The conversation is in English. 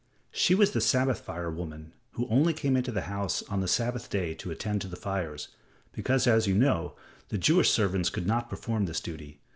She was the Sabbath fire woman who only came into the house on the Sabbath day to attend to the fires, because, as you know, the Jewish servants could not perform this duty.